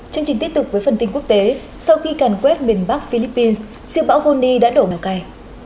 chương trình tiếp tục với phần tin quốc tế sau khi càn quét miền bắc philippines siêu bão goni đã đổ lào cai